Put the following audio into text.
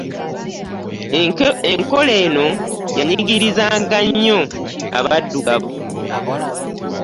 Enkola eno yanyigirizanga nnyo abadduggavu.